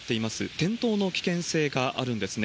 転倒の危険性があるんですね。